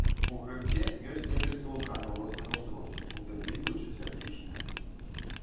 У хрыбце ёсць некалькі вулканаў рознага ўзросту, у тым ліку і чацвярцічныя.